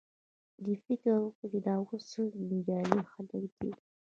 دې فکر وکړ چې دا اوس څه جنجالي خلک دي.